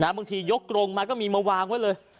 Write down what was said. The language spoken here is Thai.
ยกกรงมาก็มีมาวางไว้เลย